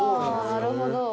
なるほど。